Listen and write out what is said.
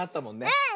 うん！